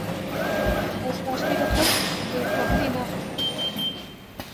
Ez taştê dixwim lê firavînê naxwim.